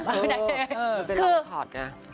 เป็นอัพชอตนะ